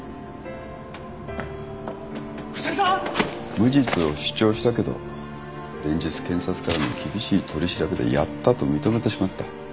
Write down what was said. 無実を主張したけど連日検察からの厳しい取り調べでやったと認めてしまった。